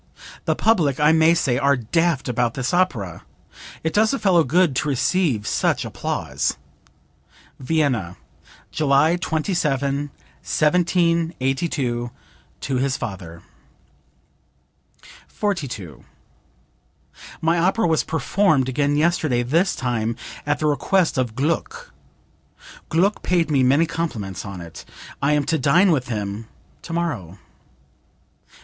The public, I may say, are daft about this opera. It does a fellow good to receive such applause." (Vienna, July 27, 1782, to his father.) 42. "My opera was performed again yesterday, this time at the request of Gluck. Gluck paid me many compliments on it. I am to dine with him tomorrow."